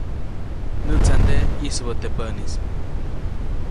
Näʼtsanteʼe ʼyisubäʼ teʼ päʼnis.